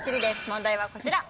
問題はこちら。